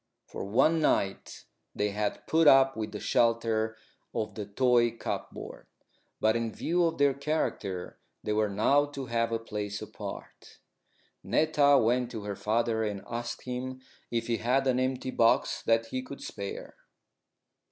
For one night they had put up with the shelter of the toy cupboard. But in view of their character they were now to have a place apart. Netta went to her father and asked him if he had an empty box that he could spare.